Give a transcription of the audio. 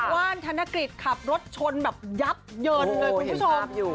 ว่านธนกฤษขับรถชนแบบยับเยินเลยคุณผู้ชม